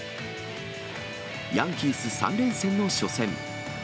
ヤンキース３連戦の初戦。